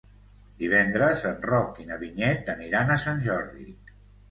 Divendres en Roc i na Vinyet aniran a Sant Jordi.